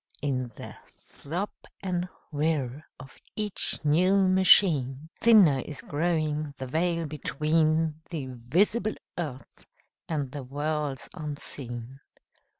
In the throb and whir of each new machine Thinner is growing the veil between The visible earth and the worlds unseen.